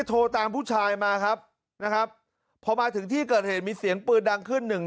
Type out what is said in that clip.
โทรตามผู้ชายมาครับนะครับพอมาถึงที่เกิดเหตุมีเสียงปืนดังขึ้นหนึ่ง